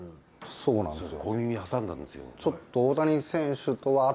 そうなんですよ